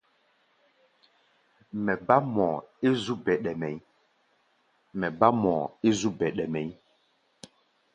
Mɛ bá mɔʼɔ é zú bɛɗɛ mɛʼí̧.